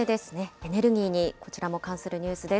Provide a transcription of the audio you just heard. エネルギーにこちらも関するニュースです。